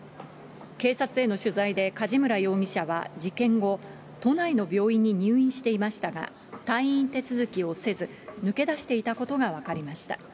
警察への取材で、梶村容疑者は事件後、都内の病院に入院していましたが、退院手続きをせず、抜け出していたことが分かりました。